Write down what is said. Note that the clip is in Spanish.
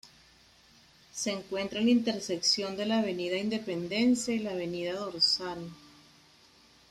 Se encuentra en la intersección de la Avenida Independencia y la Avenida Dorsal.